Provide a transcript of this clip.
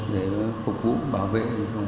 để phục vụ bảo vệ